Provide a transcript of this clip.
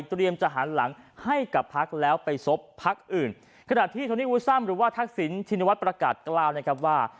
เตรียมจะหันหลังให้กับพักแล้วไปซบพักอื่นขนาดที่หรือว่าทักษิณชินวัตรประกาศกล่าวนะครับว่า